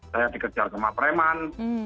saya dikejar ke matreman